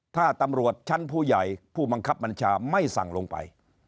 ถ้าตำรวจชั้นผู้ใหญ่ผู้บังคับบัญชาไม่สั่งลงไป